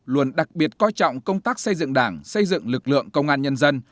luôn đặc biệt coi trọng công tác xây dựng đảng xây dựng lực lượng công an nhân dân